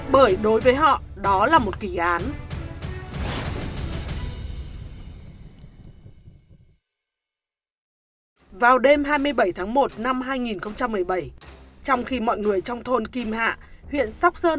bởi đối với họ đó là một kỳ án